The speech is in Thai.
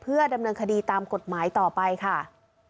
ดำเนินคดีตามกฎหมายต่อไปค่ะ